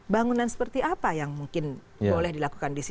bangunan seperti apa yang mungkin boleh dilakukan di sini